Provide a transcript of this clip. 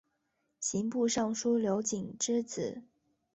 刑部尚书刘璟之子。